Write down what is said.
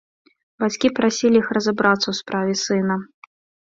Бацькі прасілі іх разабрацца ў справе сына.